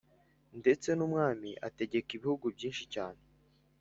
ndetse ni umwami, ategeka ibihugu byinshi cyane.